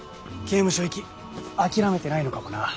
刑務所行き諦めてないのかもな。